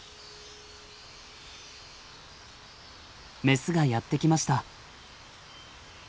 メスがやって来ました。